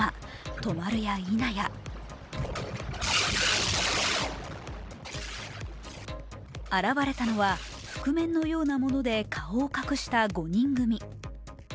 止まるやいなや現れたのは覆面のようなもので顔を隠した５人組。